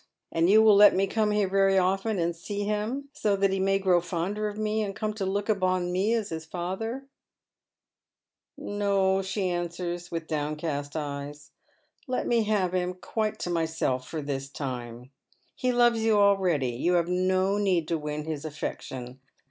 And you will let me come here very olten and sea him, so that he may grow fonder of me, and come to look upon me as his father ?"" No," she answers, with downcast eyes. " Let me have him quite to myself for this time. He loves you already, you have no need to win his affection.